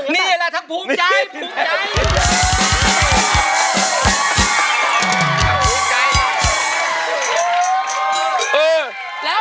นี่แหละทั้งภูมิใจ